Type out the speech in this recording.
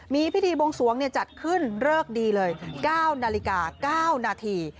มีพิธีบวงสวงจัดขึ้นเลิกดีเลย๙นาฬิกา๙นาที